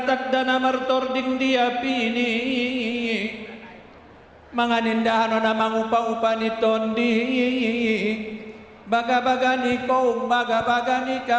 tentang prosesi ini saya ingin mengucapkan kepada anda